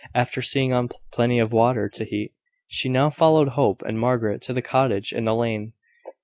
After setting on plenty of water to heat, she now followed Hope and Margaret to the cottage in the lane.